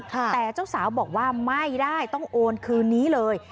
แต่เจ้าสาวบอกว่าไม่ได้ต้องโอนคืนนี้เลย